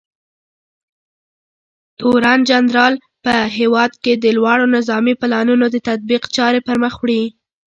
تورنجنرال په هېواد کې د لوړو نظامي پلانونو د تطبیق چارې پرمخ وړي.